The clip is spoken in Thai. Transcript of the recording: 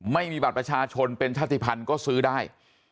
ไม่มีบัตรประชาชนเป็นชาติภัณฑ์ก็ซื้อได้